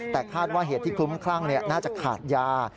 แต่คาดว่าเหตุที่คลุ้มคลั่งน่าจะขาดยา